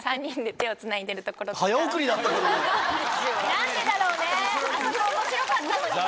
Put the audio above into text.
何でだろうねあそこ面白かったのにね。